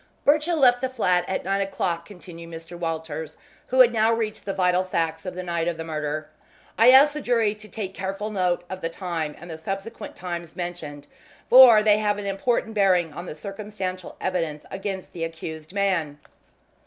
"Birchill left the flat at nine o'clock," continued Mr. Walters, who had now reached the vital facts of the night of the murder. "I ask the jury to take careful note of the time and the subsequent times mentioned, for they have an important bearing on the circumstantial evidence against the accused man.